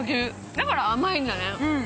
だから甘いんだね。